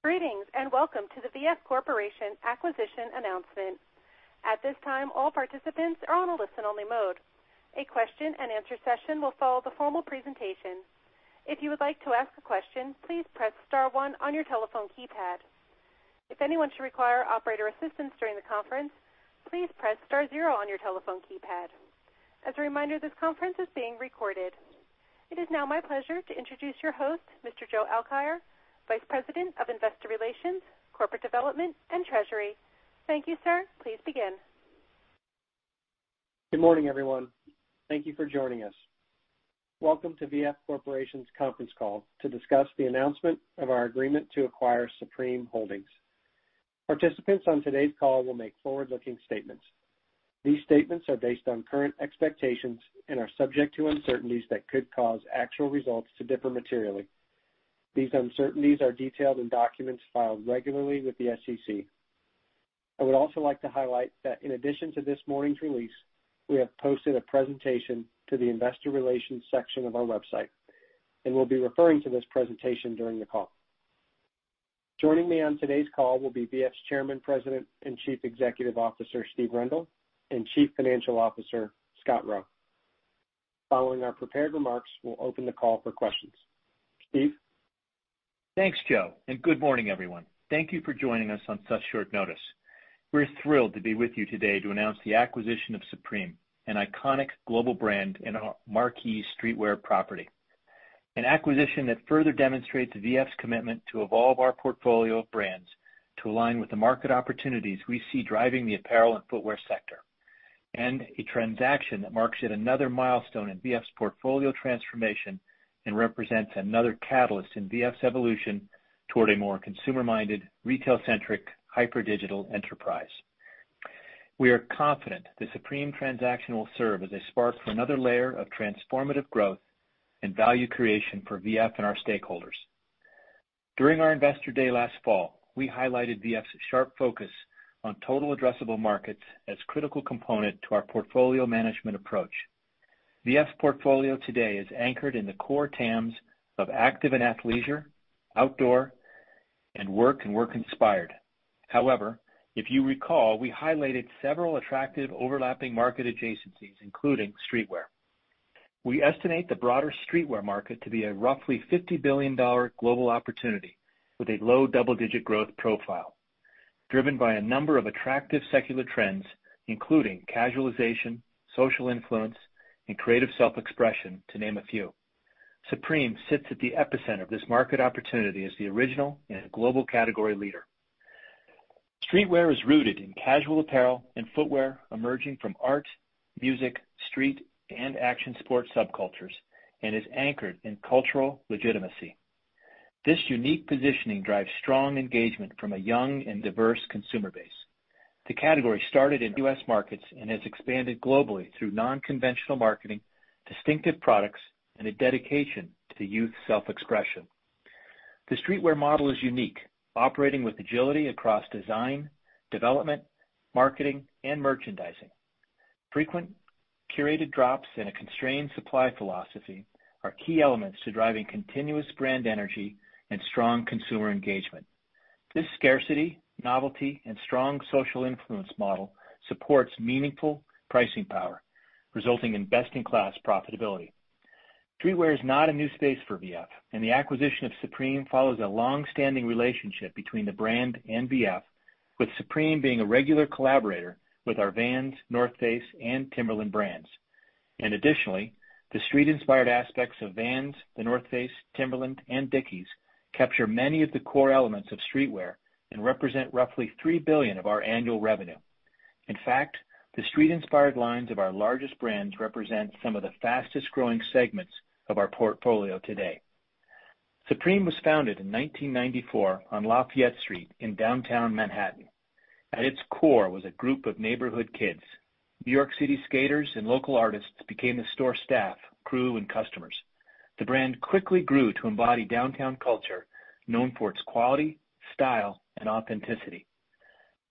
Greetings, and welcome to the V.F. Corporation acquisition announcement. At this time, all participants are on a listen-only mode. A question and answer session will follow the formal presentation. If you would like to ask a question, please press star one on your telephone keypad. If anyone should require operator assistance during the conference, please press star zero on your telephone keypad. As a reminder, this conference is being recorded. It is now my pleasure to introduce your host, Mr. Joe Alkire, Vice President of Investor Relations, Corporate Development, and Treasury. Thank you, sir. Please begin. Good morning, everyone. Thank you for joining us. Welcome to V.F. Corporation's conference call to discuss the announcement of our agreement to acquire Supreme Holdings. Participants on today's call will make forward-looking statements. These statements are based on current expectations and are subject to uncertainties that could cause actual results to differ materially. These uncertainties are detailed in documents filed regularly with the SEC. I would also like to highlight that in addition to this morning's release, we have posted a presentation to the investor relations section of our website, and we'll be referring to this presentation during the call. Joining me on today's call will be V.F.'s Chairman, President, and Chief Executive Officer, Steve Rendle, and Chief Financial Officer, Scott Roe. Following our prepared remarks, we'll open the call for questions. Steve? Thanks, Joe. Good morning, everyone. Thank you for joining us on such short notice. We're thrilled to be with you today to announce the acquisition of Supreme, an iconic global brand and a marquee streetwear property. An acquisition that further demonstrates V.F.'s commitment to evolve our portfolio of brands to align with the market opportunities we see driving the apparel and footwear sector. A transaction that marks yet another milestone in V.F.'s portfolio transformation and represents another catalyst in V.F.'s evolution toward a more consumer-minded, retail-centric, hyper-digital enterprise. We are confident the Supreme transaction will serve as a spark for another layer of transformative growth and value creation for V.F. and our stakeholders. During our investor day last fall, we highlighted V.F.'s sharp focus on total addressable markets as a critical component to our portfolio management approach. V.F.'s portfolio today is anchored in the core TAMs of active and athleisure, outdoor, and work and work-inspired. If you recall, we highlighted several attractive overlapping market adjacencies, including streetwear. We estimate the broader streetwear market to be a roughly $50 billion global opportunity with a low double-digit growth profile, driven by a number of attractive secular trends, including casualization, social influence, and creative self-expression, to name a few. Supreme sits at the epicenter of this market opportunity as the original and a global category leader. Streetwear is rooted in casual apparel and footwear emerging from art, music, street, and action sport subcultures and is anchored in cultural legitimacy. This unique positioning drives strong engagement from a young and diverse consumer base. The category started in U.S. markets and has expanded globally through non-conventional marketing, distinctive products, and a dedication to youth self-expression. The streetwear model is unique, operating with agility across design, development, marketing, and merchandising. Frequent curated drops and a constrained supply philosophy are key elements to driving continuous brand energy and strong consumer engagement. This scarcity, novelty, and strong social influence model supports meaningful pricing power, resulting in best-in-class profitability. Streetwear is not a new space for V.F., the acquisition of Supreme follows a long-standing relationship between the brand and V.F., with Supreme being a regular collaborator with our Vans, The North Face, and Timberland brands. Additionally, the street-inspired aspects of Vans, The North Face, Timberland, and Dickies capture many of the core elements of streetwear and represent roughly $3 billion of our annual revenue. In fact, the street-inspired lines of our largest brands represent some of the fastest-growing segments of our portfolio today. Supreme was founded in 1994 on Lafayette Street in downtown Manhattan. At its core was a group of neighborhood kids. New York City skaters and local artists became the store staff, crew, and customers. The brand quickly grew to embody downtown culture, known for its quality, style, and authenticity.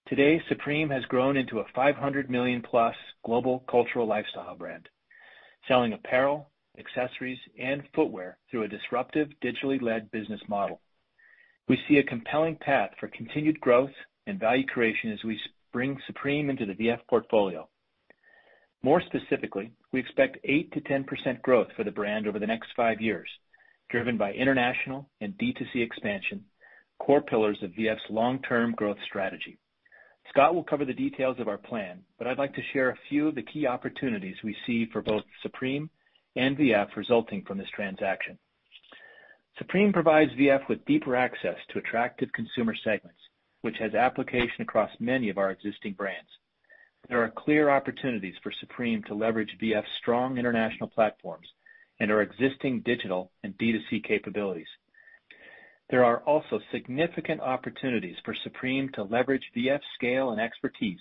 Today, Supreme has grown into a $500-million-plus global cultural lifestyle brand, selling apparel, accessories, and footwear through a disruptive, digitally led business model. We see a compelling path for continued growth and value creation as we bring Supreme into the V.F. portfolio. More specifically, we expect 8%-10% growth for the brand over the next five years, driven by international and D2C expansion, core pillars of V.F.'s long-term growth strategy. Scott will cover the details of our plan, but I'd like to share a few of the key opportunities we see for both Supreme and V.F. resulting from this transaction. Supreme provides V.F. with deeper access to attractive consumer segments, which has application across many of our existing brands. There are clear opportunities for Supreme to leverage V.F.'s strong international platforms and our existing digital and D2C capabilities. There are also significant opportunities for Supreme to leverage V.F.'s scale and expertise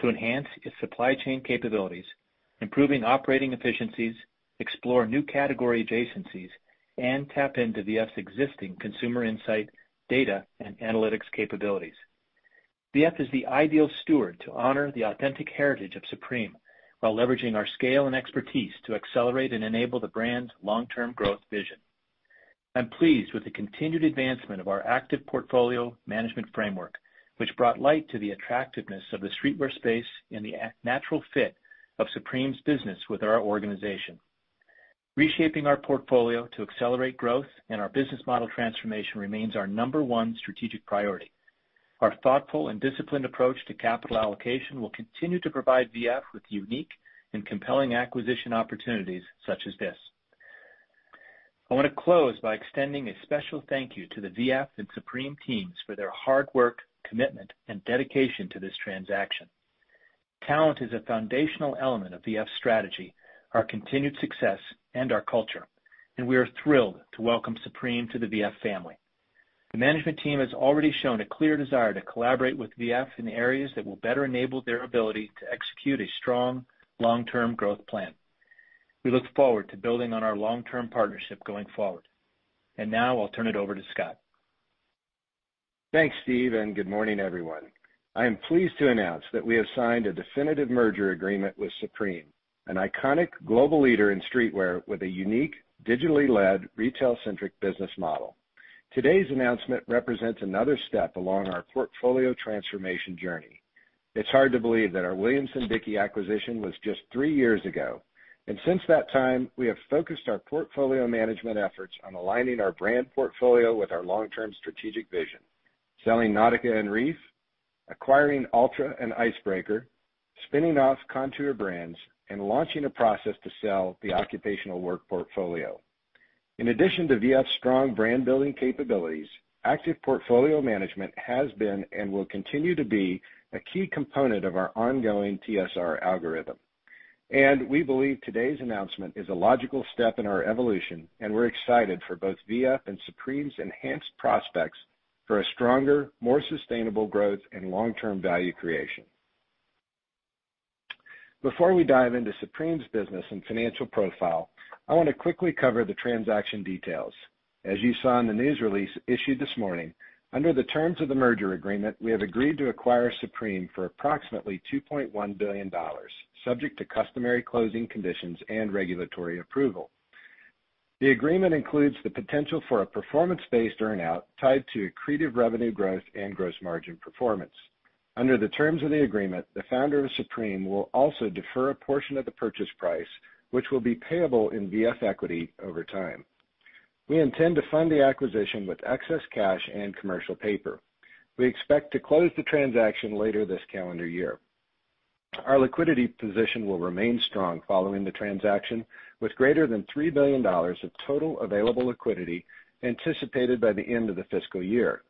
to enhance its supply chain capabilities, improving operating efficiencies, explore new category adjacencies, and tap into V.F.'s existing consumer insight, data, and analytics capabilities. V.F. is the ideal steward to honor the authentic heritage of Supreme while leveraging our scale and expertise to accelerate and enable the brand's long-term growth vision. I'm pleased with the continued advancement of our active portfolio management framework, which brought light to the attractiveness of the streetwear space and the natural fit of Supreme's business with our organization. Reshaping our portfolio to accelerate growth and our business model transformation remains our number one strategic priority. Our thoughtful and disciplined approach to capital allocation will continue to provide V.F. with unique and compelling acquisition opportunities such as this. I want to close by extending a special thank you to the V.F. and Supreme teams for their hard work, commitment, and dedication to this transaction. Talent is a foundational element of V.F.'s strategy, our continued success, and our culture, and we are thrilled to welcome Supreme to the V.F. family. The management team has already shown a clear desire to collaborate with V.F. in areas that will better enable their ability to execute a strong long-term growth plan. We look forward to building on our long-term partnership going forward. Now I'll turn it over to Scott. Thanks, Steve, and good morning, everyone. I am pleased to announce that we have signed a definitive merger agreement with Supreme, an iconic global leader in streetwear with a unique, digitally led, retail-centric business model. Today's announcement represents another step along our portfolio transformation journey. It's hard to believe that our Williamson-Dickie acquisition was just three years ago, and since that time, we have focused our portfolio management efforts on aligning our brand portfolio with our long-term strategic vision, selling Nautica and Reef, acquiring Altra and Icebreaker, spinning off Kontoor Brands, and launching a process to sell the occupational work portfolio. In addition to V.F.'s strong brand-building capabilities, active portfolio management has been and will continue to be a key component of our ongoing TSR algorithm. We believe today's announcement is a logical step in our evolution, and we're excited for both V.F. Supreme's enhanced prospects for a stronger, more sustainable growth and long-term value creation. Before we dive into Supreme's business and financial profile, I want to quickly cover the transaction details. As you saw in the news release issued this morning, under the terms of the merger agreement, we have agreed to acquire Supreme for approximately $2.1 billion, subject to customary closing conditions and regulatory approval. The agreement includes the potential for a performance-based earn-out tied to accretive revenue growth and gross margin performance. Under the terms of the agreement, the founder of Supreme will also defer a portion of the purchase price, which will be payable in V.F. equity over time. We intend to fund the acquisition with excess cash and commercial paper. We expect to close the transaction later this calendar year. Our liquidity position will remain strong following the transaction, with greater than $3 billion of total available liquidity anticipated by the end of the fiscal year.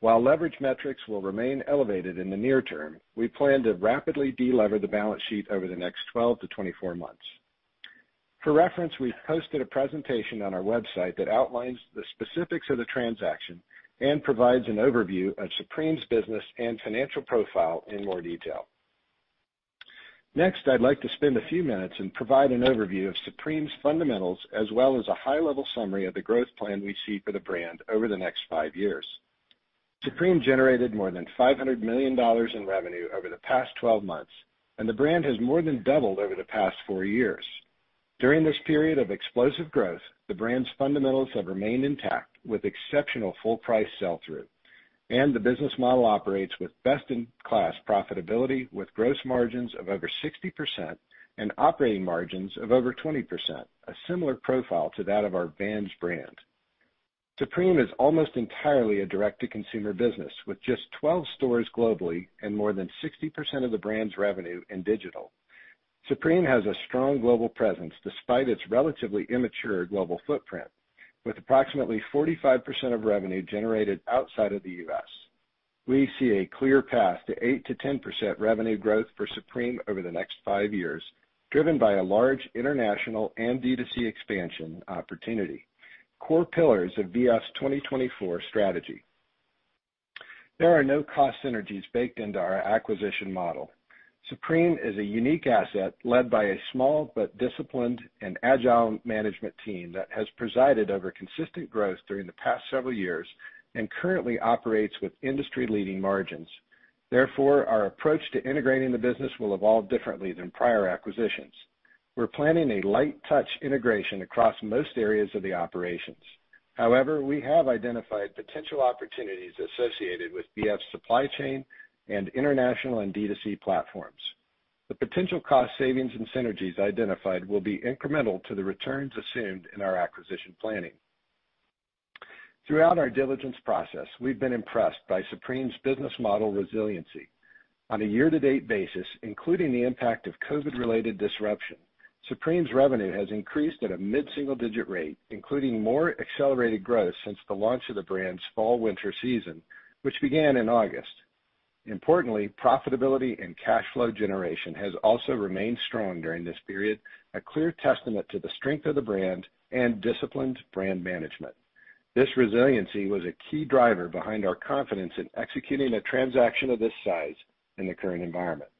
While leverage metrics will remain elevated in the near term, we plan to rapidly de-lever the balance sheet over the next 12 - 24 months. For reference, we've posted a presentation on our website that outlines the specifics of the transaction and provides an overview of Supreme's business and financial profile in more detail. Next, I'd like to spend a few minutes and provide an overview of Supreme's fundamentals as well as a high-level summary of the growth plan we see for the brand over the next five years. Supreme generated more than $500 million in revenue over the past 12 months, and the brand has more than doubled over the past four years. During this period of explosive growth, the brand's fundamentals have remained intact with exceptional full price sell-through, and the business model operates with best-in-class profitability with gross margins of over 60% and operating margins of over 20%, a similar profile to that of our Vans brand. Supreme is almost entirely a direct-to-consumer business, with just 12 stores globally and more than 60% of the brand's revenue in digital. Supreme has a strong global presence despite its relatively immature global footprint, with approximately 45% of revenue generated outside of the U.S. We see a clear path to 8%-10% revenue growth for Supreme over the next five years, driven by a large international and D2C expansion opportunity, core pillars of V.F.'s 2024 strategy. There are no cost synergies baked into our acquisition model. Supreme is a unique asset led by a small but disciplined and agile management team that has presided over consistent growth during the past several years and currently operates with industry-leading margins. Therefore, our approach to integrating the business will evolve differently than prior acquisitions. We're planning a light-touch integration across most areas of the operations. However, we have identified potential opportunities associated with V.F.'s supply chain and international and D2C platforms. The potential cost savings and synergies identified will be incremental to the returns assumed in our acquisition planning. Throughout our diligence process, we've been impressed by Supreme's business model resiliency. On a year-to-date basis, including the impact of COVID-related disruption, Supreme's revenue has increased at a mid-single-digit rate, including more accelerated growth since the launch of the brand's fall/winter season, which began in August. Profitability and cash flow generation has also remained strong during this period, a clear testament to the strength of the brand and disciplined brand management. This resiliency was a key driver behind our confidence in executing a transaction of this size in the current environment.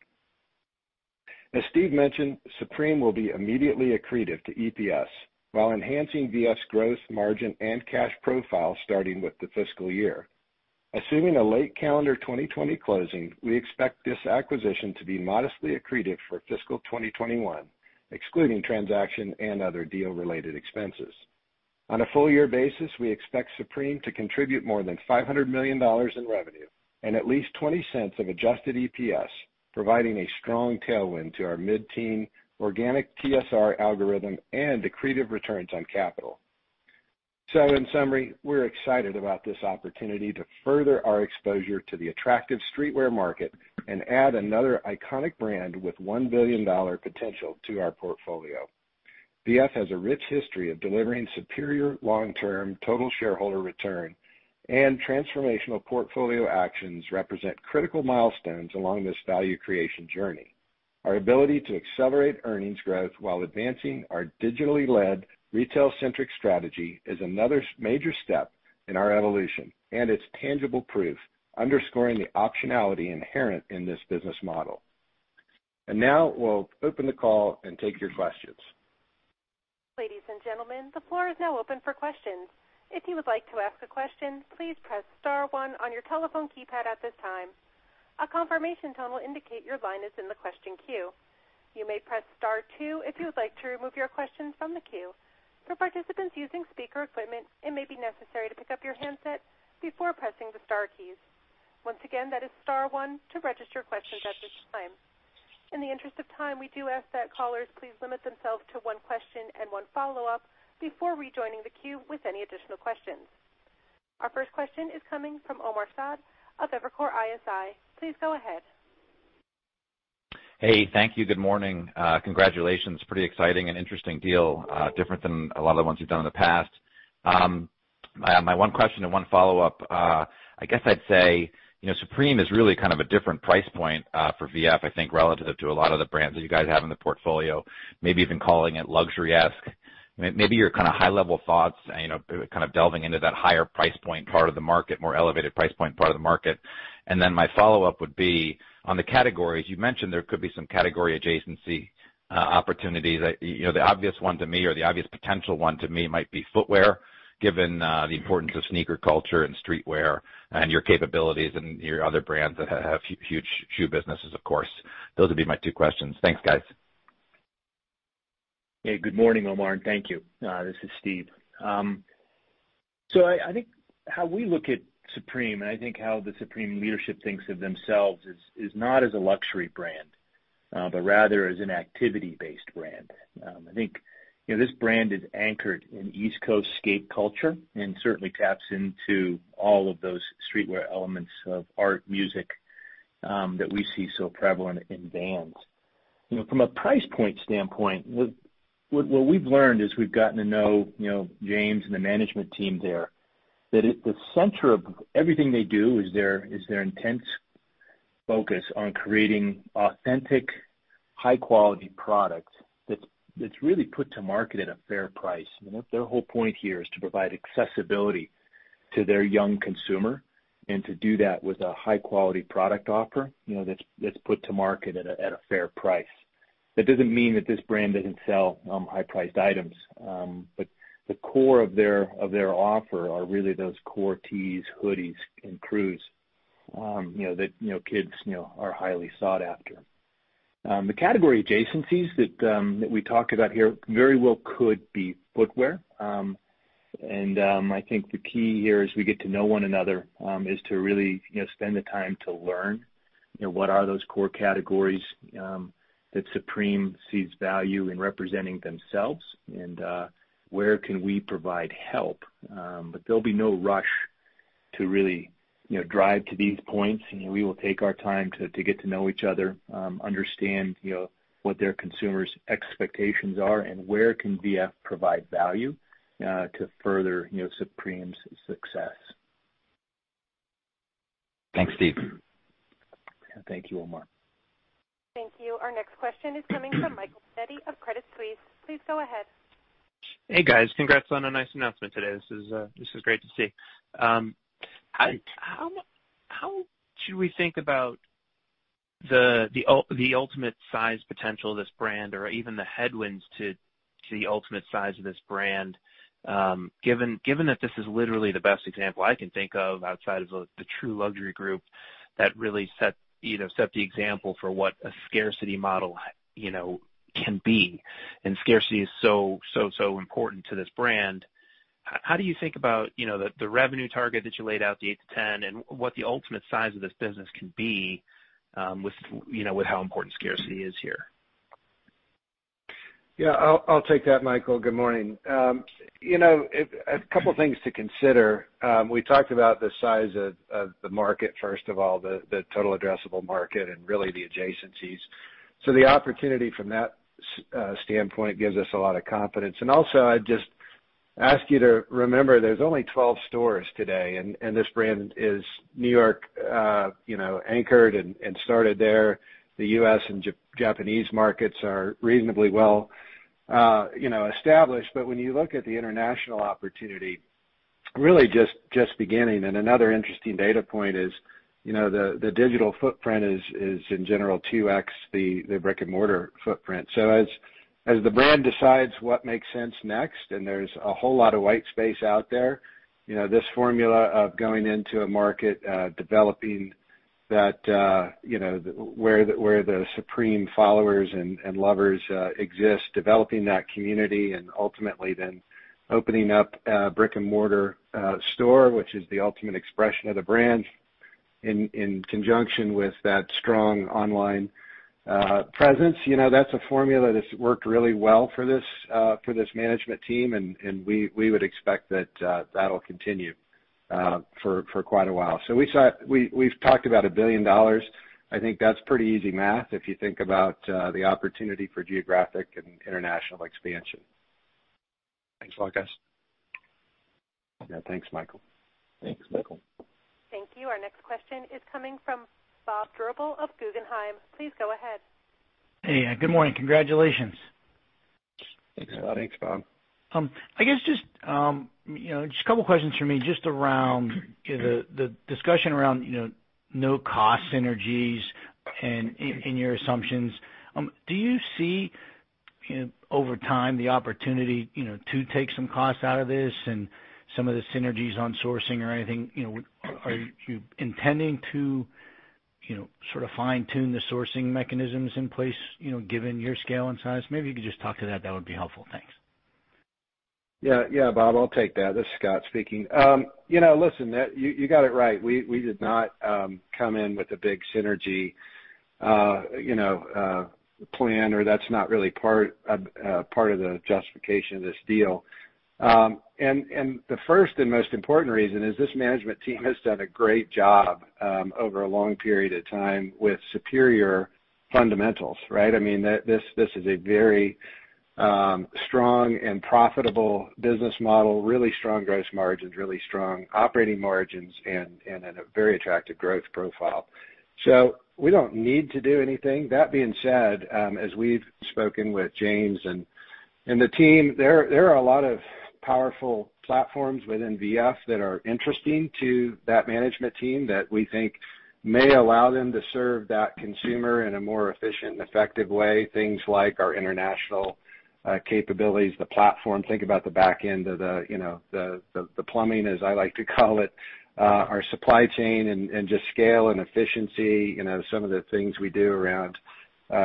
As Steve mentioned, Supreme will be immediately accretive to EPS while enhancing V.F.'s growth, margin, and cash profile starting with the fiscal year. Assuming a late calendar 2020 closing, we expect this acquisition to be modestly accretive for fiscal 2021, excluding transaction and other deal-related expenses. On a full year basis, we expect Supreme to contribute more than $500 million in revenue and at least $0.20 of adjusted EPS, providing a strong tailwind to our mid-teen organic TSR algorithm and accretive returns on capital. In summary, we're excited about this opportunity to further our exposure to the attractive streetwear market and add another iconic brand with $1 billion potential to our portfolio. VF has a rich history of delivering superior long-term total shareholder return, and transformational portfolio actions represent critical milestones along this value creation journey. Our ability to accelerate earnings growth while advancing our digitally led retail-centric strategy is another major step in our evolution, and it's tangible proof underscoring the optionality inherent in this business model. Now we'll open the call and take your questions. Ladies and gentlemen, the floor is now open for questions. If you would like to ask a question, please press *1 on your telephone keypad at this time. Our first question is coming from Omar Saad of Evercore ISI. Please go ahead. Hey, thank you. Good morning. Congratulations. Pretty exciting and interesting deal. Different than a lot of the ones you've done in the past. My one question and one follow-up. I guess I'd say, Supreme is really a different price point for VF, I think, relative to a lot of the brands that you guys have in the portfolio. Maybe even calling it luxury-esque. Maybe your high-level thoughts, kind of delving into that higher price point part of the market, more elevated price point part of the market. Then my follow-up would be on the categories. You mentioned there could be some category adjacency opportunities. The obvious one to me, or the obvious potential one to me might be footwear, given the importance of sneaker culture and streetwear and your capabilities and your other brands that have huge shoe businesses, of course. Those would be my two questions. Thanks, guys. Hey, good morning, Omar. Thank you. This is Steve. I think how we look at Supreme and I think how the Supreme leadership thinks of themselves is not as a luxury brand, but rather as an activity-based brand. I think this brand is anchored in East Coast skate culture and certainly taps into all of those streetwear elements of art, music, that we see so prevalent in Vans. From a price point standpoint, what we've learned as we've gotten to know James and the management team there, that at the center of everything they do is their intense focus on creating authentic, high-quality product that's really put to market at a fair price. Their whole point here is to provide accessibility to their young consumer and to do that with a high-quality product offer that's put to market at a fair price. That doesn't mean that this brand doesn't sell high-priced items. The core of their offer are really those core tees, hoodies, and crews that kids are highly sought after. The category adjacencies that we talk about here very well could be footwear. I think the key here as we get to know one another is to really spend the time to learn what are those core categories that Supreme sees value in representing themselves and where can we provide help. There'll be no rush to really drive to these points. We will take our time to get to know each other, understand what their consumers' expectations are, and where can VF provide value to further Supreme's success. Thanks, Steve. Thank you, Omar. Thank you. Our next question is coming from Michael Eddy of Credit Suisse. Please go ahead. Hey, guys. Congrats on a nice announcement today. This is great to see. How should we think about the ultimate size potential of this brand or even the headwinds to the ultimate size of this brand, given that this is literally the best example I can think of outside of the true luxury group that really set the example for what a scarcity model can be, and scarcity is so important to this brand. How do you think about the revenue target that you laid out, the eight to 10, and what the ultimate size of this business can be with how important scarcity is here? I'll take that, Michael. Good morning. A couple of things to consider. We talked about the size of the market, first of all, the total addressable market and really the adjacencies. The opportunity from that standpoint gives us a lot of confidence. I'd just ask you to remember, there's only 12 stores today, and this brand is New York anchored and started there. The U.S. and Japanese markets are reasonably well established. When you look at the international opportunity. Really just beginning. Another interesting data point is the digital footprint is in general 2x the brick-and-mortar footprint. As the brand decides what makes sense next, and there's a whole lot of white space out there, this formula of going into a market, developing where the Supreme followers and lovers exist, developing that community, and ultimately then opening up a brick-and-mortar store, which is the ultimate expression of the brand, in conjunction with that strong online presence. That's a formula that's worked really well for this management team, and we would expect that that'll continue for quite a while. We've talked about $1 billion. I think that's pretty easy math if you think about the opportunity for geographic and international expansion. Thanks, Scott. Yeah. Thanks, Michael. Thanks, Michael. Thank you. Our next question is coming from Bob Drbul of Guggenheim. Please go ahead. Hey. Good morning. Congratulations. Thanks, Bob. Thanks, Bob. I guess, just a couple of questions from me just around the discussion around no cost synergies and in your assumptions. Do you see, over time, the opportunity to take some costs out of this and some of the synergies on sourcing or anything? Are you intending to sort of fine-tune the sourcing mechanisms in place given your scale and size? Maybe you could just talk to that. That would be helpful. Thanks. Bob, I'll take that. This is Scott speaking. You got it right. We did not come in with a big synergy plan or that's not really part of the justification of this deal. The first and most important reason is this management team has done a great job over a long period of time with superior fundamentals, right? This is a very strong and profitable business model, really strong gross margins, really strong operating margins, and a very attractive growth profile. We don't need to do anything. That being said, as we've spoken with James and the team, there are a lot of powerful platforms within V.F. that are interesting to that management team that we think may allow them to serve that consumer in a more efficient and effective way. Things like our international capabilities, the platform. Think about the back end of the plumbing, as I like to call it, our supply chain, and just scale and efficiency, some of the things we do around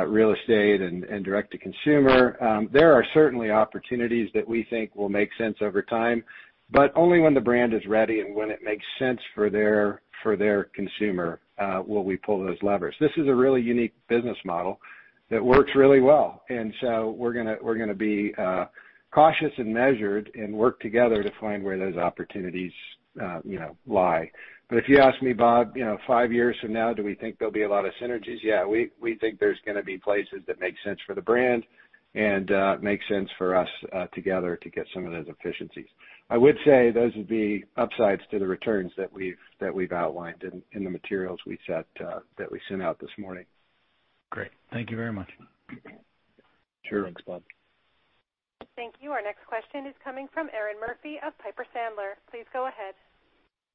real estate and direct to consumer. There are certainly opportunities that we think will make sense over time, but only when the brand is ready and when it makes sense for their consumer will we pull those levers. This is a really unique business model that works really well. So we're going to be cautious and measured and work together to find where those opportunities lie. If you ask me, Bob, five years from now, do we think there'll be a lot of synergies? Yeah, we think there's going to be places that make sense for the brand and make sense for us together to get some of those efficiencies. I would say those would be upsides to the returns that we've outlined in the materials that we sent out this morning. Great. Thank you very much. Sure. Thanks, Bob. Thank you. Our next question is coming from Erinn Murphy of Piper Sandler. Please go ahead.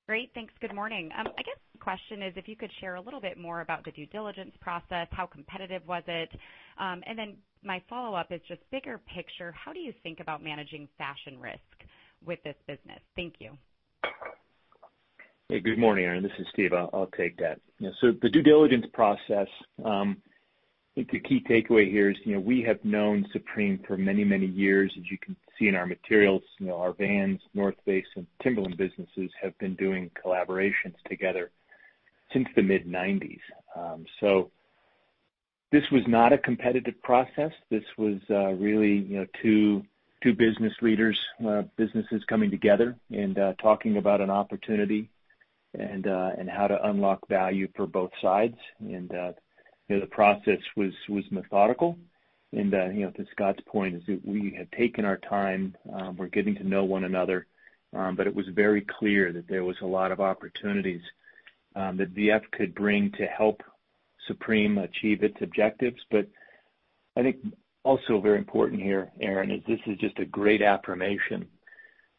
Great. Thanks. Good morning. I guess the question is, if you could share a little bit more about the due diligence process, how competitive was it? My follow-up is just bigger picture, how do you think about managing fashion risk with this business? Thank you. Hey, good morning, Erinn. This is Steve. I'll take that. The due diligence process, I think the key takeaway here is, we have known Supreme for many, many years. As you can see in our materials, our Vans, North Face, and Timberland businesses have been doing collaborations together since the mid-'90s. This was not a competitive process. This was really two business leaders, businesses coming together and talking about an opportunity and how to unlock value for both sides. The process was methodical. To Scott's point, is that we had taken our time. We're getting to know one another. It was very clear that there was a lot of opportunities that VF could bring to help Supreme achieve its objectives. I think also very important here, Erinn, is this is just a great affirmation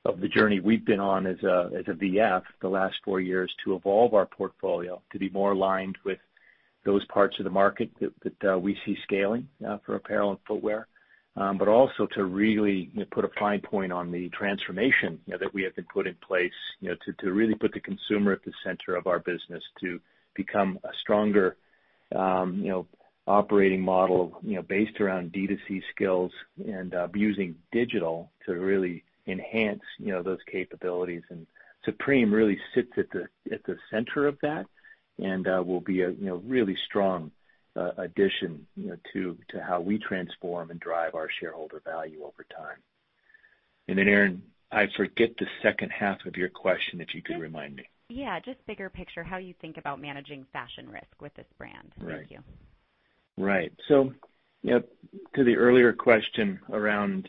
of the journey we've been on as V.F. the last four years to evolve our portfolio to be more aligned with those parts of the market that we see scaling for apparel and footwear. Also to really put a fine point on the transformation that we have been put in place to really put the consumer at the center of our business to become a stronger operating model based around D2C skills and using digital to really enhance those capabilities. Supreme really sits at the center of that and will be a really strong addition to how we transform and drive our shareholder value over time. Then, Erinn, I forget the second half of your question, if you could remind me. Just bigger picture, how you think about managing fashion risk with this brand? Thank you. Right. To the earlier question around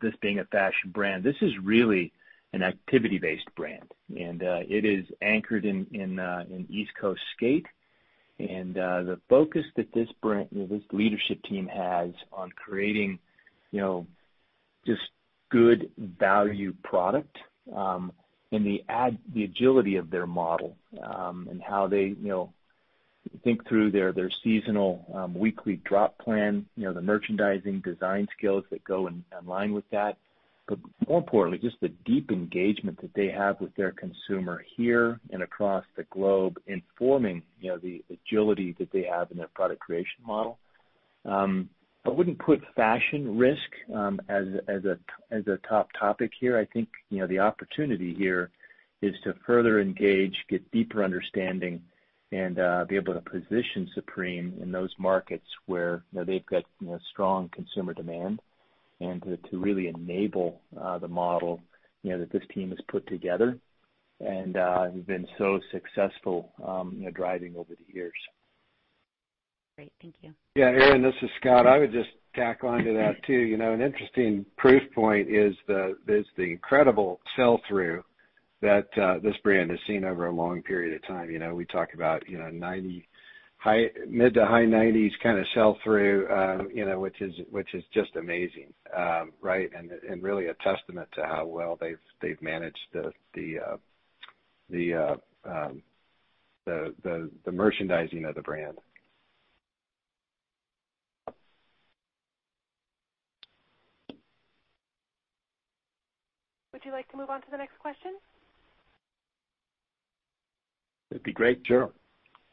this being a fashion brand, this is really an activity-based brand, and it is anchored in East Coast skate. The focus that this leadership team has on creating just good value product and the agility of their model and how they think through their seasonal weekly drop plan, the merchandising design skills that go online with that, but more importantly, just the deep engagement that they have with their consumer here and across the globe informing the agility that they have in their product creation model. I wouldn't put fashion risk as a top topic here. I think, the opportunity here is to further engage, get deeper understanding, and be able to position Supreme in those markets where they've got strong consumer demand and to really enable the model that this team has put together and has been so successful driving over the years. Great. Thank you. Yeah, Erinn, this is Scott. I would just tack onto that, too. An interesting proof point is the incredible sell-through that this brand has seen over a long period of time. We talk about mid to high 90s kind of sell through which is just amazing. Right? Really a testament to how well they've managed the merchandising of the brand. Would you like to move on to the next question? That'd be great, sure.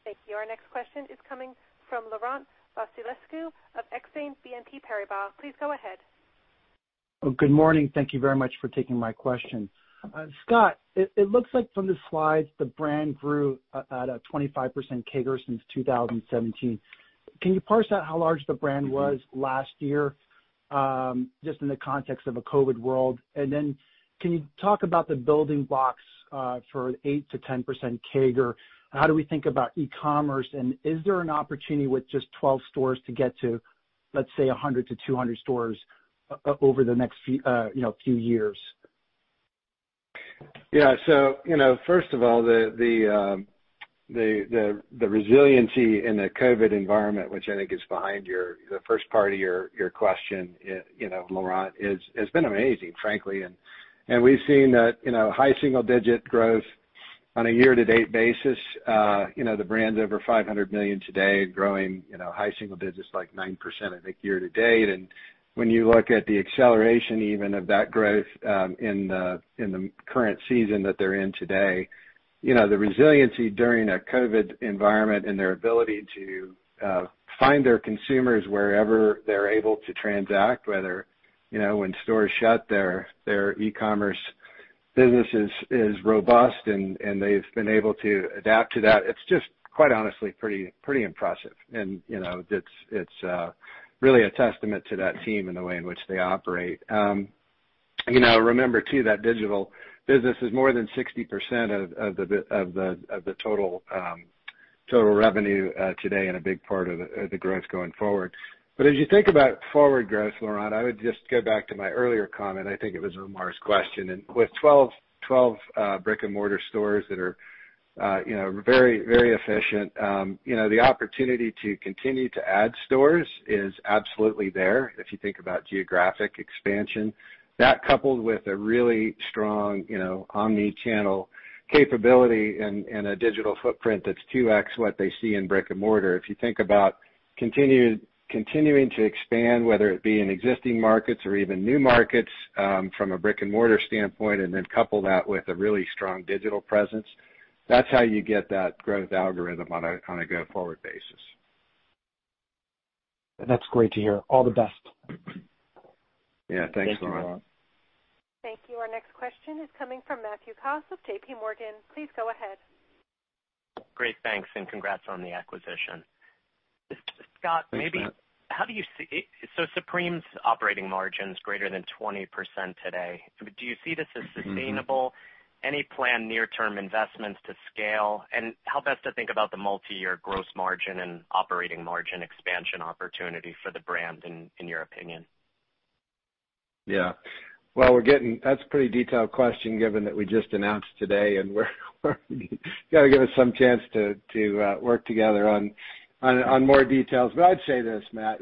Thank you. Our next question is coming from Laurent Vasilescu of Exane BNP Paribas. Please go ahead. Good morning. Thank you very much for taking my question. Scott, it looks like from the slides, the brand grew at a 25% CAGR since 2017. Can you parse out how large the brand was last year just in the context of a COVID world? Can you talk about the building blocks for an 8%-10% CAGR? How do we think about e-commerce, and is there an opportunity with just 12 stores to get to, let's say, 100-200 stores over the next few years? First of all, the resiliency in the COVID environment, which I think is behind the first part of your question, Laurent, has been amazing, frankly. We've seen that high single-digit growth on a year-to-date basis. The brand's over $500 million today growing high single-digits, like 9%, I think year-to-date. When you look at the acceleration even of that growth in the current season that they're in today, the resiliency during a COVID environment and their ability to find their consumers wherever they're able to transact, whether when stores shut, their e-commerce business is robust, and they've been able to adapt to that. It's just quite honestly pretty impressive. It's really a testament to that team and the way in which they operate. Remember, too, that digital business is more than 60% of the total revenue today and a big part of the growth going forward. As you think about forward growth, Laurent, I would just go back to my earlier comment. I think it was Omar's question. With 12 brick-and-mortar stores that are very efficient, the opportunity to continue to add stores is absolutely there if you think about geographic expansion. That coupled with a really strong omni-channel capability and a digital footprint that's 2x what they see in brick-and-mortar. If you think about continuing to expand, whether it be in existing markets or even new markets from a brick-and-mortar standpoint, and then couple that with a really strong digital presence, that's how you get that growth algorithm on a go-forward basis. That's great to hear. All the best. Yeah. Thanks, Laurent. Thank you. Our next question is coming from Matthew Boss of JPMorgan. Please go ahead. Great. Thanks, and congrats on the acquisition. Thanks, Matt. Scott, Supreme's operating margin's greater than 20% today. Do you see this as sustainable? Any planned near-term investments to scale? How best to think about the multi-year gross margin and operating margin expansion opportunity for the brand in your opinion? Yeah. That's a pretty detailed question given that we just announced today, and you got to give us some chance to work together on more details. I'd say this, Matt,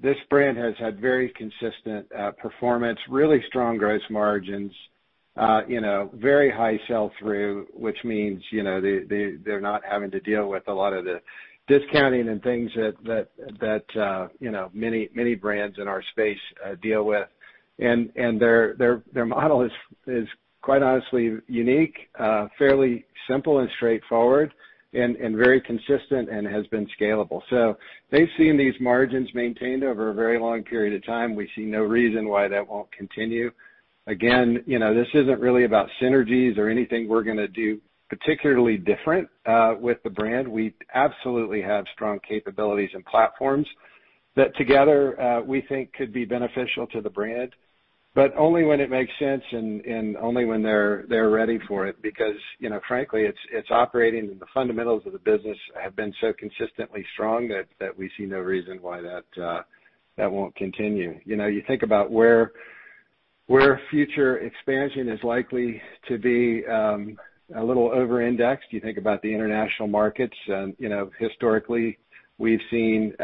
this brand has had very consistent performance, really strong gross margins, very high sell through, which means they're not having to deal with a lot of the discounting and things that many brands in our space deal with. Their model is quite honestly unique, fairly simple and straightforward, and very consistent and has been scalable. They've seen these margins maintained over a very long period of time. We see no reason why that won't continue. Again, this isn't really about synergies or anything we're going to do particularly different with the brand. We absolutely have strong capabilities and platforms that together we think could be beneficial to the brand, but only when it makes sense and only when they're ready for it. Frankly, it's operating and the fundamentals of the business have been so consistently strong that we see no reason why that won't continue. You think about where, where future expansion is likely to be a little over-indexed. You think about the international markets, historically, we've seen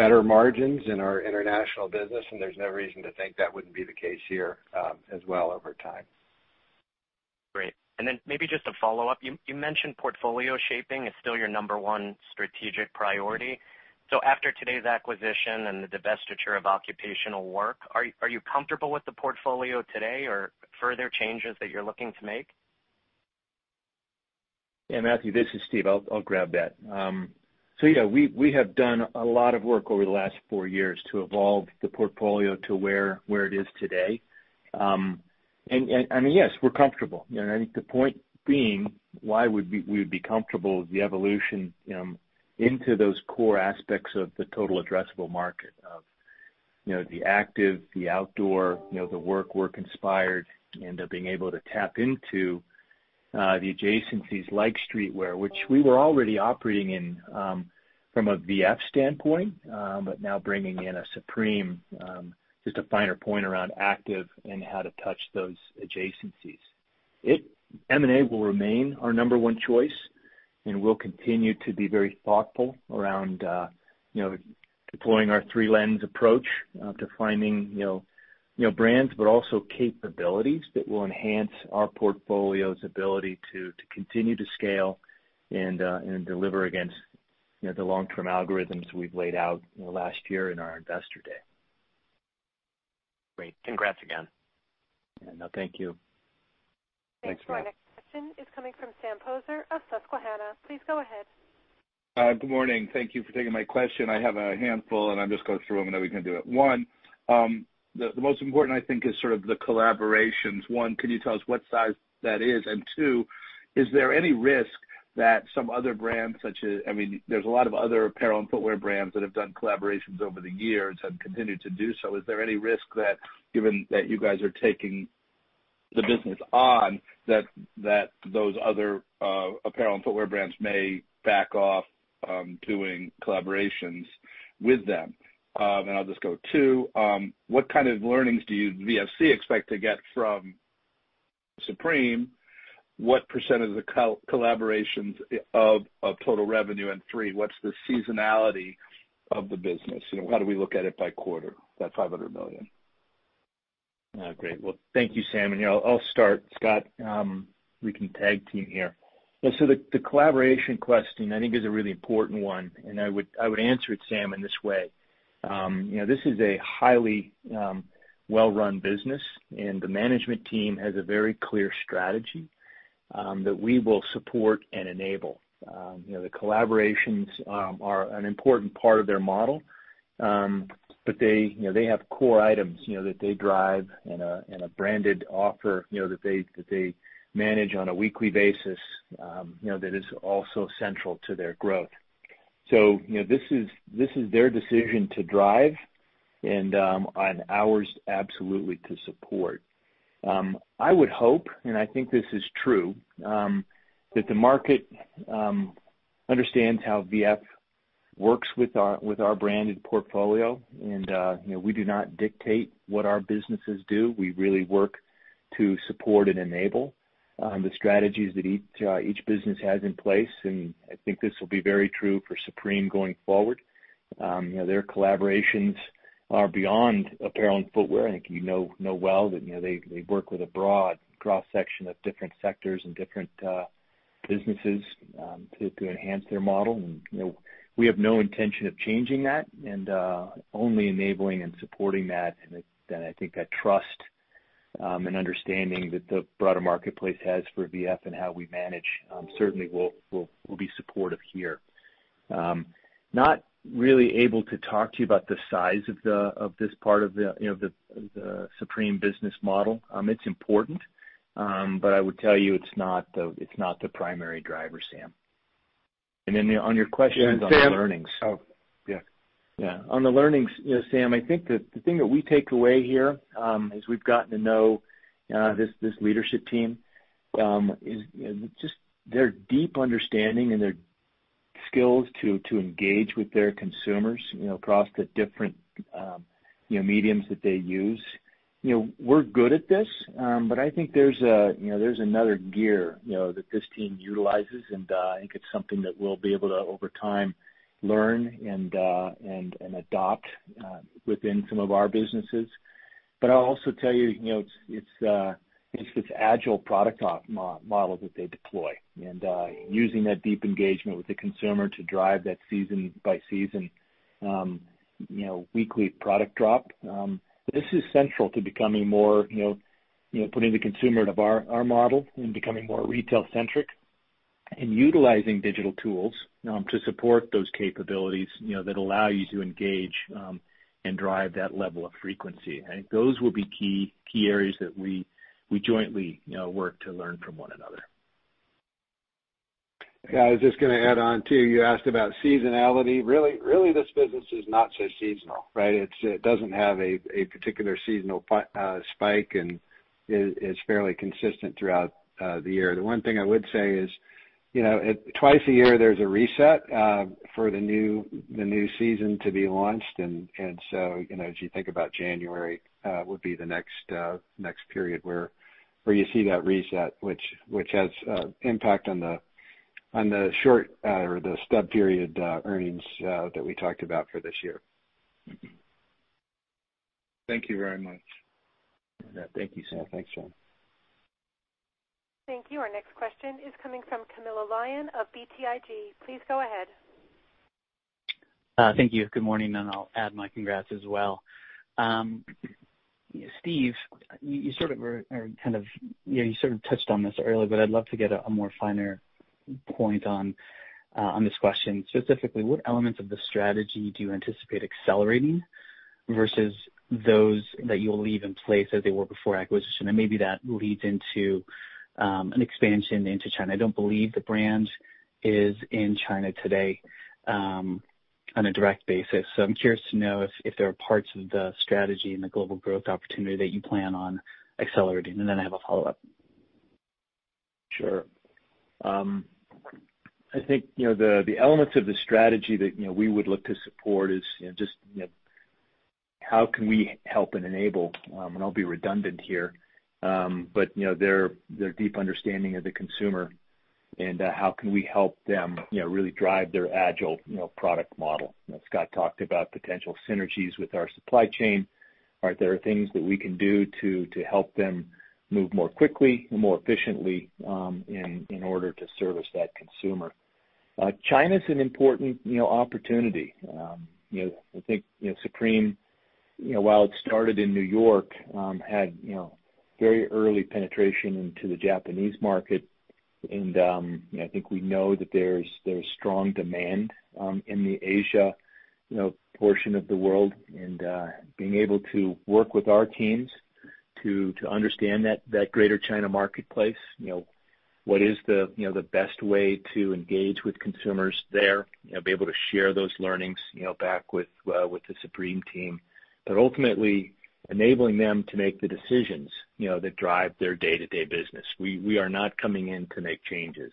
better margins in our international business, and there's no reason to think that wouldn't be the case here as well over time. Great. Maybe just a follow-up. You mentioned portfolio shaping is still your number one strategic priority. After today's acquisition and the divestiture of occupational work, are you comfortable with the portfolio today or further changes that you're looking to make? Matthew, this is Steve. I'll grab that. We have done a lot of work over the last four years to evolve the portfolio to where it is today. Yes, we're comfortable. I think the point being why we would be comfortable is the evolution into those core aspects of the total addressable market of the active, the outdoor, the work inspired, and being able to tap into the adjacencies like streetwear, which we were already operating in from a V.F. standpoint, now bringing in a Supreme, just a finer point around active and how to touch those adjacencies. M&A will remain our number one choice, we'll continue to be very thoughtful around deploying our three lens approach to finding brands, but also capabilities that will enhance our portfolio's ability to continue to scale and deliver against the long-term algorithms we've laid out last year in our investor day. Great. Congrats again. Yeah. No, thank you. Thanks. Our next question is coming from Sam Poser of Susquehanna. Please go ahead. Good morning. Thank you for taking my question. I have a handful, and I'll just go through them. I know we can do it. One, the most important, I think, is sort of the collaborations. One, can you tell us what size that is? Two, is there any risk that some other brands such as there's a lot of other apparel and footwear brands that have done collaborations over the years and continue to do so. Is there any risk that given that you guys are taking the business on, that those other apparel and footwear brands may back off doing collaborations with them? I'll just go two, what kind of learnings do you, VFC, expect to get from Supreme? What % of the collaborations of total revenue? Three, what's the seasonality of the business? How do we look at it by quarter, that $500 million? Great. Well, thank you, Sam. I'll start. Scott, we can tag team here. The collaboration question, I think, is a really important one, and I would answer it, Sam, in this way. This is a highly well-run business, and the management team has a very clear strategy that we will support and enable. The collaborations are important part of the model. They have core items that they drive and a branded offer that they manage on a weekly basis that is also central to their growth. This is their decision to drive and ours absolutely to support. I would hope, and I think this is true, that the market understands how V.F. works with our branded portfolio. We do not dictate what our businesses do. We really work to support and enable the strategies that each business has in place, and I think this will be very true for Supreme going forward. Their collaborations are beyond apparel and footwear. I think you know well that they work with a broad cross-section of different sectors and different businesses to enhance their model, and we have no intention of changing that and only enabling and supporting that. I think that trust and understanding that the broader marketplace has for V.F., and how we manage certainly will be supportive here. Not really able to talk to you about the size of this part of the Supreme business model. It's important, but I would tell you it's not the primary driver, Sam. Then on your questions on the learnings. Yeah. On the learnings, Sam, I think that the thing that we take away here, as we've got to know this leadership team, is just their deep understanding and their skills to engage with their consumers across the different mediums that they use. We're good at this, but I think there's another gear that this team utilizes, and I think it's something that we'll be able to, over time, learn and adopt within some of our businesses. I'll also tell you, it's this agile product model that they deploy and using that deep engagement with the consumer to drive that season by season, weekly product drop. This is central to becoming more, putting the consumer into our model and becoming more retail-centric and utilizing digital tools to support those capabilities that allow you to engage and drive that level of frequency. I think those will be key areas that we jointly work to learn from one another. Yeah, I was just going to add on, too. You asked about seasonality. Really, this business is not so seasonal, right? It doesn't have a particular seasonal spike and, is fairly consistent throughout the year. The one thing I would say is, twice a year, there's a reset for the new season to be launched. As you think about January, would be the next period where you see that reset, which has impact on the short or the stub period earnings that we talked about for this year. Thank you very much. Thank you, sir. Thanks, Sam. Thank you. Our next question is coming from Camilo Lyon of BTIG. Please go ahead. Thank you. Good morning, and I'll add my congrats as well. Steve, you sort of touched on this earlier, but I'd love to get a more finer point on this question. Specifically, what elements of the strategy do you anticipate accelerating versus those that you'll leave in place as they were before acquisition? Maybe that leads into an expansion into China. I don't believe the brand is in China today on a direct basis. I'm curious to know if there are parts of the strategy and the global growth opportunity that you plan on accelerating, and then I have a follow-up. Sure. I think, the elements of the strategy that we would look to support is just how can we help and enable, and I'll be redundant here, but their deep understanding of the consumer and how can we help them really drive their agile product model. Scott talked about potential synergies with our supply chain. Are there things that we can do to help them move more quickly and more efficiently in order to service that consumer? China's an important opportunity. I think Supreme, while it started in New York, had very early penetration into the Japanese market, and I think we know that there's strong demand in the Asia portion of the world and being able to work with our teams to understand that Greater China marketplace. What is the best way to engage with consumers there and be able to share those learnings back with the Supreme team, ultimately enabling them to make the decisions that drive their day-to-day business. We are not coming in to make changes.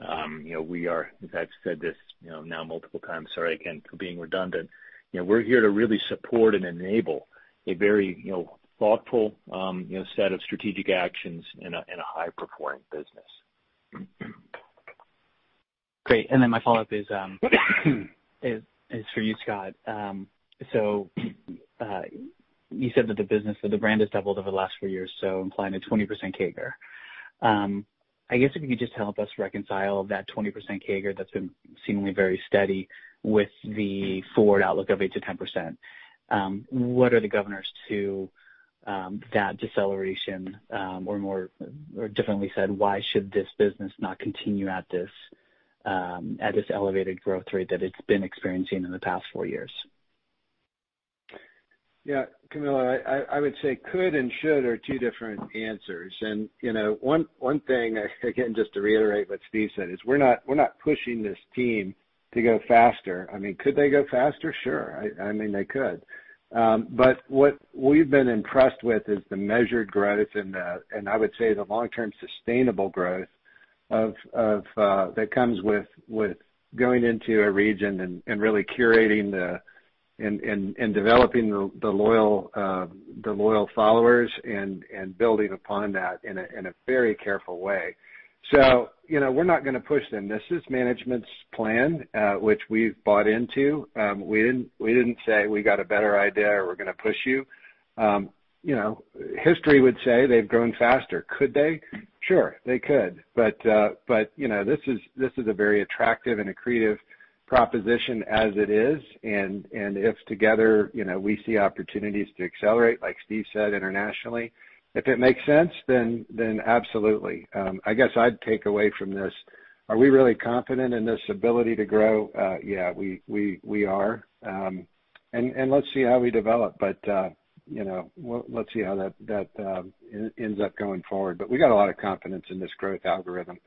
I've said this now multiple times, sorry again for being redundant. We're here to really support and enable a very thoughtful set of strategic actions in a high performing business. Great, then my follow-up is for you, Scott. You said that the brand has doubled over the last four years, so implying a 20% CAGR. I guess if you could just help us reconcile that 20% CAGR that's been seemingly very steady with the forward outlook of 8%-10%. What are the governors to that deceleration? More differently said, why should this business not continue at this elevated growth rate that it's been experiencing in the past four years? Yeah. Camilo, I would say could and should are two different answers. One thing again, just to reiterate what Steve said, is we're not pushing this team to go faster. Could they go faster? Sure. They could. What we've been impressed with is the measured growth and I would say the long-term sustainable growth that comes with going into a region and really curating and developing the loyal followers and building upon that in a very careful way. We're not going to push them. This is management's plan, which we've bought into. We didn't say we got a better idea or we're going to push you. History would say they've grown faster. Could they? Sure, they could. This is a very attractive and accretive proposition as it is, and if together we see opportunities to accelerate, like Steve said, internationally, if it makes sense, then absolutely. I guess I'd take away from this. Are we really confident in this ability to grow? Yeah, we are. Let's see how we develop. Let's see how that ends up going forward. We got a lot of confidence in this growth algorithm,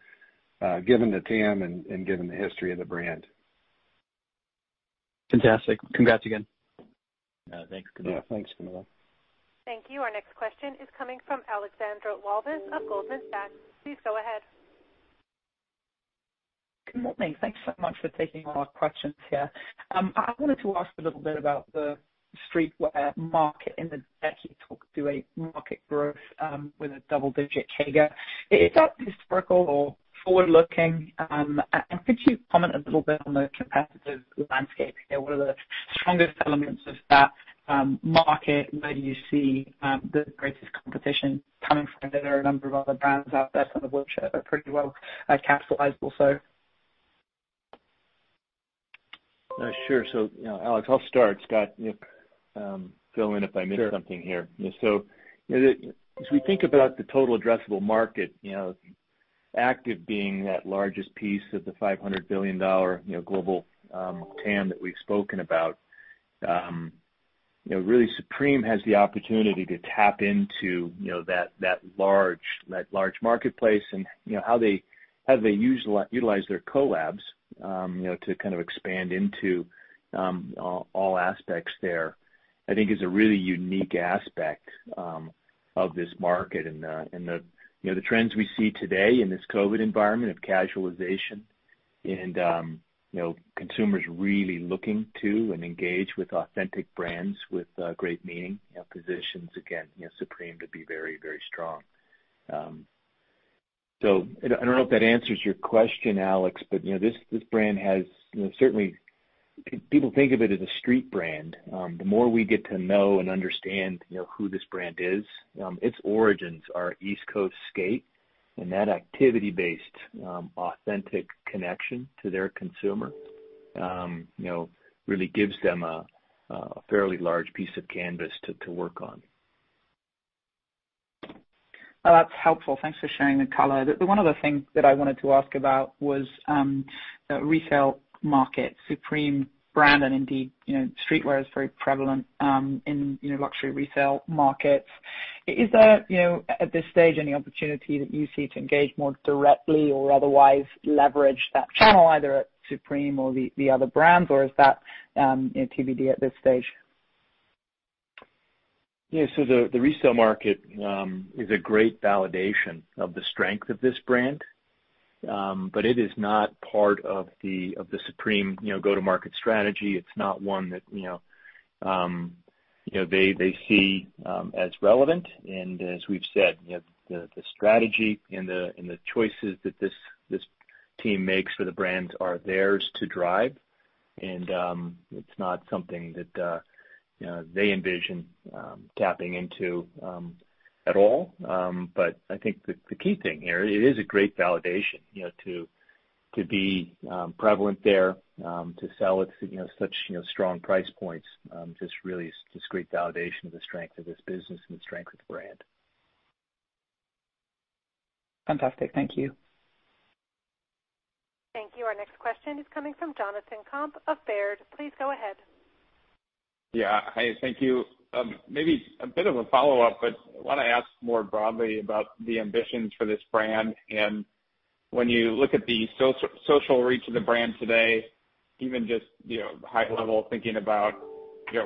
given the TAM and given the history of the brand. Fantastic. Congrats again. Thanks, Camilo. Yeah, thanks, Camilo. Thank you. Our next question is coming from Alexandra Walvis of Goldman Sachs. Please go ahead. Good morning. Thanks so much for taking all our questions here. I wanted to ask a little bit about the streetwear market and the deck you talked through a market growth with a double-digit CAGR. Is that historical or forward-looking? Could you comment a little bit on the competitive landscape here? What are the strongest elements of that market? Where do you see the greatest competition coming from? There are a number of other brands out there, some of which are pretty well capitalized also. Sure. Alex, I'll start. Scott, fill in if I miss something here. Sure. As we think about the total addressable market, active being that largest piece of the $500 billion global TAM that we've spoken about. Really, Supreme has the opportunity to tap into that large marketplace and how they utilize their collabs to expand into all aspects there, I think is a really unique aspect. Of this market and the trends we see today in this COVID environment of casualization and consumers really looking to and engage with authentic brands with great meaning, positions again, Supreme to be very, very strong. I don't know if that answers your question, Alex, but this brand has certainly, people think of it as a street brand. The more we get to know and understand who this brand is, its origins are East Coast skate, and that activity-based, authentic connection to their consumer really gives them a fairly large piece of canvas to work on. Well, that's helpful. Thanks for sharing the color. One of the things that I wanted to ask about was the resale market. Supreme brand and indeed, streetwear is very prevalent in luxury resale markets. Is there, at this stage, any opportunity that you see to engage more directly or otherwise leverage that channel, either at Supreme or the other brands, or is that TBD at this stage? The resale market is a great validation of the strength of this brand. It is not part of the Supreme go-to-market strategy. It's not one that they see as relevant. As we've said, the strategy and the choices that this team makes for the brands are theirs to drive. It's not something that they envision tapping into at all. I think the key thing here, it is a great validation to be prevalent there, to sell at such strong price points, just really is great validation of the strength of this business and the strength of the brand. Fantastic. Thank you. Thank you. Our next question is coming from Jonathan Komp of Baird. Please go ahead. Yeah. Hi. Thank you. Maybe a bit of a follow-up, but I want to ask more broadly about the ambitions for this brand and when you look at the social reach of the brand today, even just high-level thinking about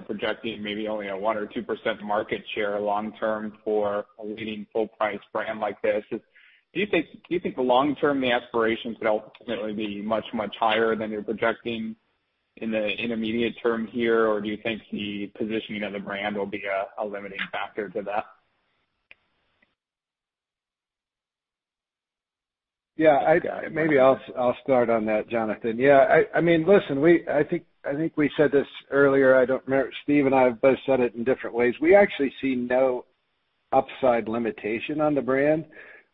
projecting maybe only a 1% or 2% market share long term for a leading full-price brand like this. Do you think the long-term aspirations could ultimately be much, much higher than you're projecting in the intermediate term here? Or do you think the positioning of the brand will be a limiting factor to that? Maybe I'll start on that, Jonathan. Listen, I think we said this earlier, I don't remember. Steve and I have both said it in different ways. We actually see no upside limitation on the brand.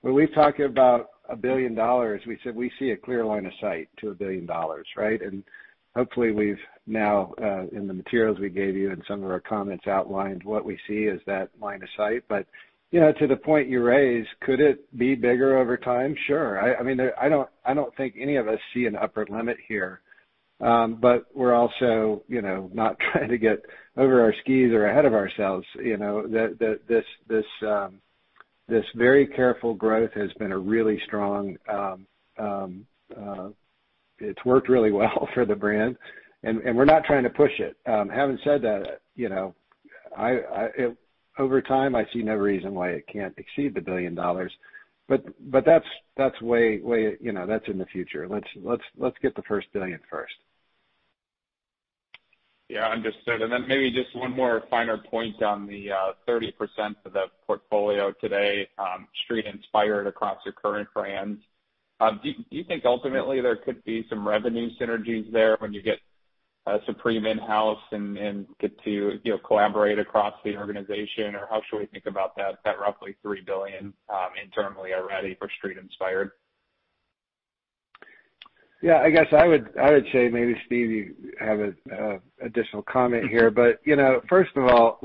When we've talked about a billion dollars, we said we see a clear line of sight to a billion dollars, right? Hopefully we've now, in the materials we gave you and some of our comments outlined what we see as that line of sight. To the point you raise, could it be bigger over time? Sure. I don't think any of us see an upward limit here. We're also not trying to get over our skis or ahead of ourselves. This very careful growth has worked really well for the brand, and we're not trying to push it. Having said that, over time, I see no reason why it can't exceed the $1 billion, but that's in the future. Let's get the first $1 billion first. Yeah. Understood. Maybe just one more finer point on the 30% of the portfolio today, street inspired across your current brands. Do you think ultimately there could be some revenue synergies there when you get Supreme in-house and get to collaborate across the organization? How should we think about that roughly $3 billion internally already for street inspired? Yeah, I guess I would say, maybe Steve you have an additional comment here. First of all,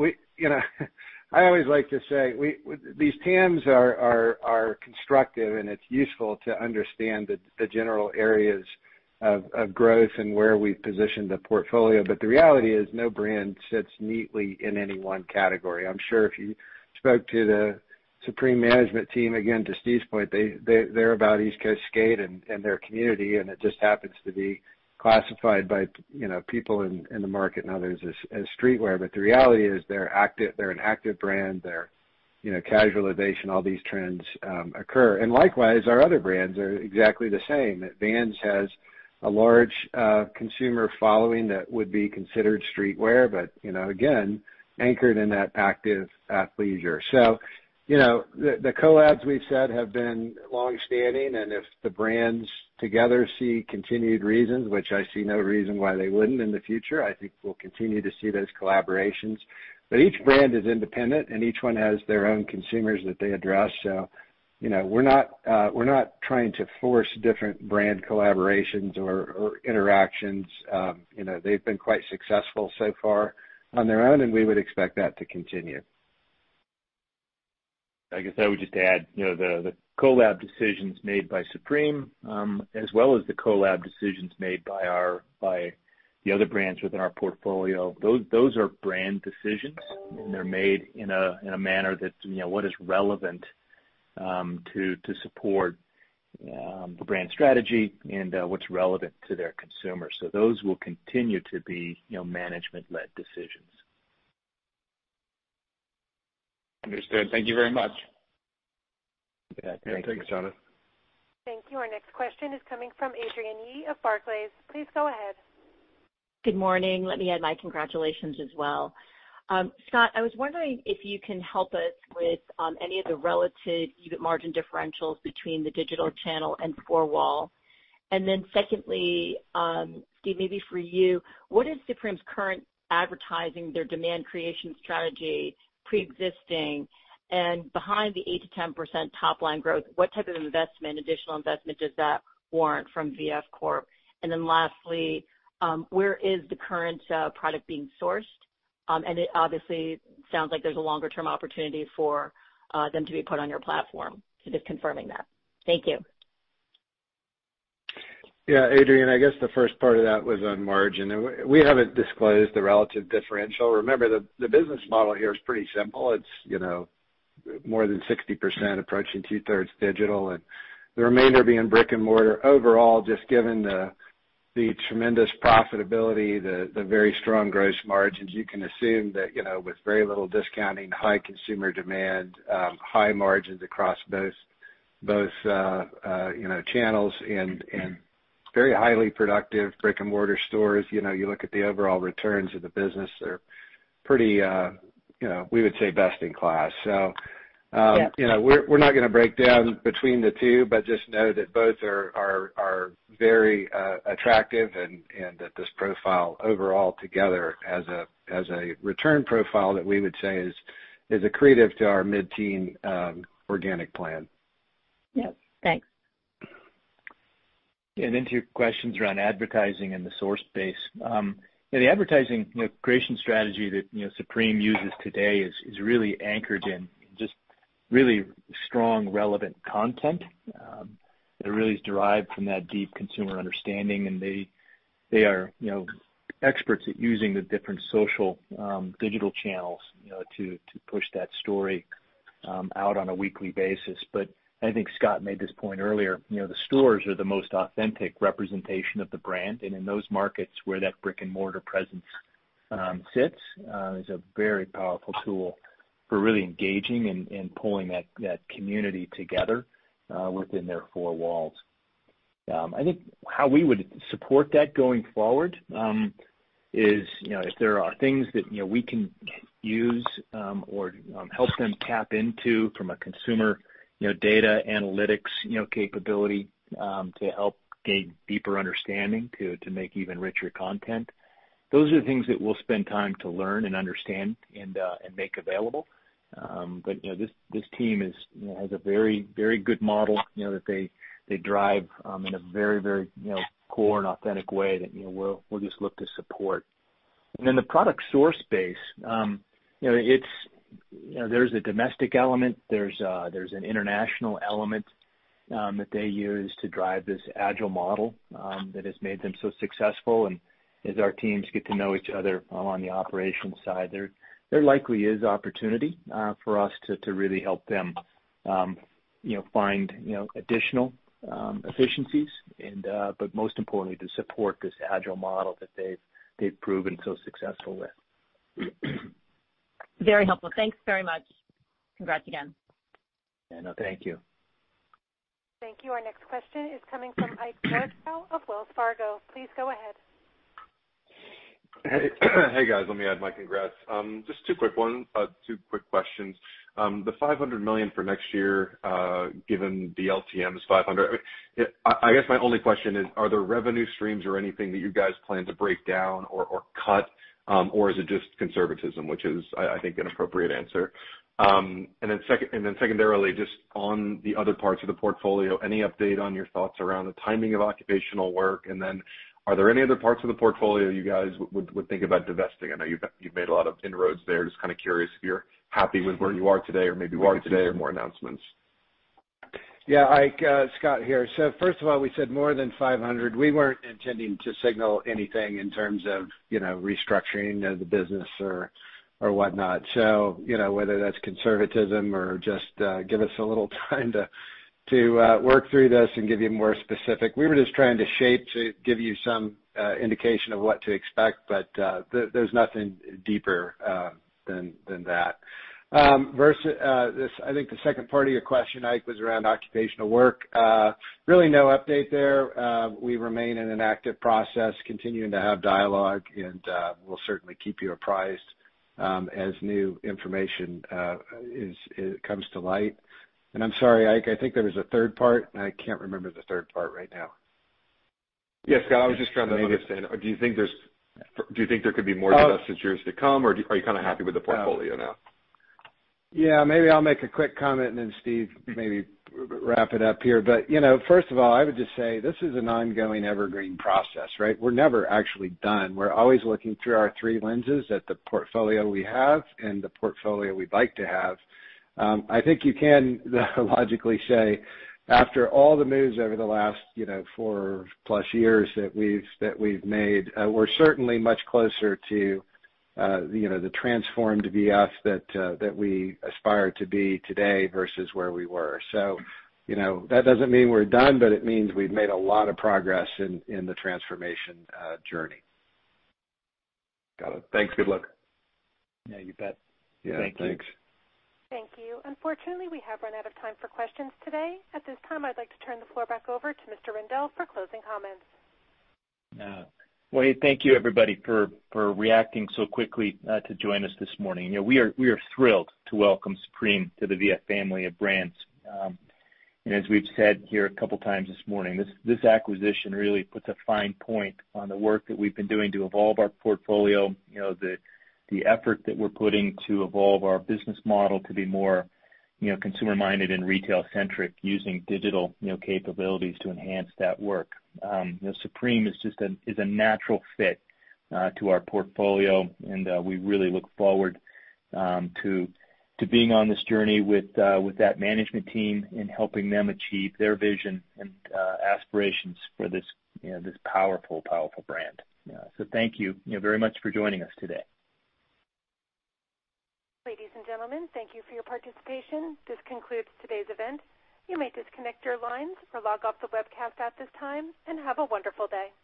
I always like to say these TAMs are constructive, and it's useful to understand the general areas of growth and where we've positioned the portfolio. The reality is no brand sits neatly in any one category. I'm sure if you spoke to the Supreme management team, again, to Steve's point, they're about East Coast skate and their community, and it just happens to be classified by people in the market and others as streetwear. The reality is they're an active brand. They're casualization, all these trends occur. Likewise, our other brands are exactly the same. Vans has a large consumer following that would be considered streetwear, but again, anchored in that active athleisure. The collabs we've said have been longstanding, and if the brands together see continued reasons, which I see no reason why they wouldn't in the future, I think we'll continue to see those collaborations. Each brand is independent, and each one has their own consumers that they address. We're not trying to force different brand collaborations or interactions. They've been quite successful so far on their own, and we would expect that to continue. I guess I would just add, the collab decisions made by Supreme, as well as the collab decisions made by the other brands within our portfolio, those are brand decisions, and they're made in a manner that what is relevant to support the brand strategy and what's relevant to their consumers. Those will continue to be management-led decisions. Understood. Thank you very much. Yeah. Thanks. Yeah. Thanks, Jonathan. Thank you. Our next question is coming from Adrienne Yee of Barclays. Please go ahead. Good morning. Let me add my congratulations as well. Scott, I was wondering if you can help us with any of the relative EBIT margin differentials between the digital channel and four-wall. Secondly, Steve, maybe for you, what is Supreme's current advertising, their demand creation strategy, preexisting and behind the 8%-10% top line growth? What type of additional investment does that warrant from V.F. Corp? Lastly, where is the current product being sourced? It obviously sounds like there's a longer-term opportunity for them to be put on your platform. Just confirming that. Thank you. Yeah, Adrienne, I guess the first part of that was on margin, and we haven't disclosed the relative differential. Remember that the business model here is pretty simple. It's more than 60%, approaching 2/3 digital, and the remainder being brick and mortar. Overall, just given the tremendous profitability, the very strong gross margins, you can assume that with very little discounting, high consumer demand, high margins across both channels and very highly productive brick and mortar stores. You look at the overall returns of the business, they're pretty, we would say, best in class. Yep We're not going to break down between the two, just know that both are very attractive and that this profile overall together has a return profile that we would say is accretive to our mid-teen organic plan. Yep. Thanks. To your questions around advertising and the source base. The advertising creation strategy that Supreme uses today is really anchored in just really strong relevant content, that really is derived from that deep consumer understanding, and they are experts at using the different social digital channels to push that story out on a weekly basis. I think Scott made this point earlier. The stores are the most authentic representation of the brand, and in those markets where that brick and mortar presence sits, is a very powerful tool for really engaging and pulling that community together within their four walls. I think how we would support that going forward is if there are things that we can use or help them tap into from a consumer data analytics capability to help gain deeper understanding to make even richer content. Those are the things that we'll spend time to learn and understand and make available. This team has a very good model that they drive in a very core and authentic way that we'll just look to support. The product source base. There's a domestic element, there's an international element that they use to drive this agile model that has made them so successful. As our teams get to know each other on the operations side, there likely is opportunity for us to really help them find additional efficiencies, most importantly, to support this agile model that they've proven so successful with. Very helpful. Thanks very much. Congrats again. No, thank you. Thank you. Our next question is coming from Ike Boruchow of Wells Fargo. Please go ahead. Hey, guys. Let me add my congrats. Just two quick questions. The $500 million for next year, given the LTM is $500. I guess my only question is, are there revenue streams or anything that you guys plan to break down or cut? Or is it just conservatism, which is, I think, an appropriate answer. Then secondarily, just on the other parts of the portfolio, any update on your thoughts around the timing of occupational work, and then are there any other parts of the portfolio you guys would think about divesting? I know you've made a lot of inroads there. Just curious if you're happy with where you are today or maybe we could see some more announcements. Yeah, Ike. Scott here. First of all, we said more than 500. We weren't intending to signal anything in terms of restructuring the business or whatnot. Whether that's conservatism or just give us a little time to work through this and give you more specific. We were just trying to shape, to give you some indication of what to expect. There's nothing deeper than that. I think the second part of your question, Ike, was around occupational work. Really no update there. We remain in an active process, continuing to have dialogue, and we'll certainly keep you apprised as new information comes to light. I'm sorry, Ike, I think there was a third part, and I can't remember the third part right now. Yes, Scott, I was just trying to maybe understand. Do you think there could be more divestitures to come, or are you kind of happy with the portfolio now? Yeah, maybe I'll make a quick comment and then Steve, maybe wrap it up here. First of all, I would just say, this is an ongoing evergreen process, right? We're never actually done. We're always looking through our three lenses at the portfolio we have and the portfolio we'd like to have. I think you can logically say, after all the moves over the last four plus years that we've made, we're certainly much closer to the transformed VF that we aspire to be today versus where we were. That doesn't mean we're done, but it means we've made a lot of progress in the transformation journey. Got it. Thanks. Good luck. Yeah, you bet. Yeah. Thanks. Thank you. Unfortunately, we have run out of time for questions today. At this time, I'd like to turn the floor back over to Mr. Rendle for closing comments. Well, thank you everybody for reacting so quickly to join us this morning. We are thrilled to welcome Supreme to the V.F. family of brands. As we've said here a couple of times this morning, this acquisition really puts a fine point on the work that we've been doing to evolve our portfolio. The effort that we're putting to evolve our business model to be more consumer-minded and retail-centric using digital capabilities to enhance that work. Supreme is a natural fit to our portfolio, and we really look forward to being on this journey with that management team and helping them achieve their vision and aspirations for this powerful brand. Thank you very much for joining us today. Ladies and gentlemen, thank you for your participation. This concludes today's event. You may disconnect your lines or log off the webcast at this time, and have a wonderful day.